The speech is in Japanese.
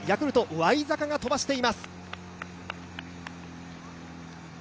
ワイザカが飛ばしています。